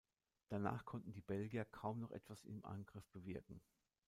Danach konnten die Belgier kaum noch etwas im Angriff bewirken.